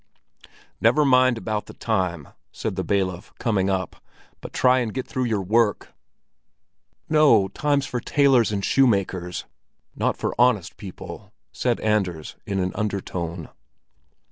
"Never mind about the time," said the bailiff, coming up. "But try and get through your work." "No, time's for tailors and shoemakers, not for honest people!" said Anders in an undertone.